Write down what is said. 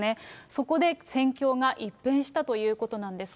そこで戦況が一変したということなんです。